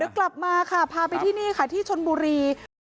กลับมาค่ะพาไปที่นี่ค่ะที่ชนบุรี